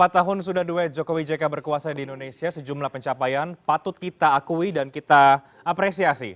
empat tahun sudah duet jokowi jk berkuasa di indonesia sejumlah pencapaian patut kita akui dan kita apresiasi